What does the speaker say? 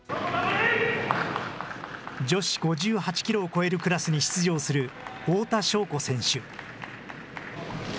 女子５８キロを超えるクラスに出場する、太田渉子選手。